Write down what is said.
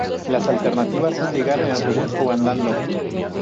Las alternativas son llegar en autobús o andando.